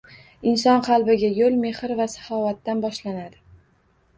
Inson qalbiga yo‘l mehr va saxovatdan boshlanadi